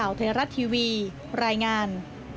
ไทยรัฐทีวีรายงาน